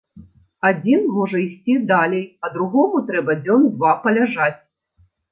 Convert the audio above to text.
Адзін можа ісці далей, а другому трэба дзён два паляжаць.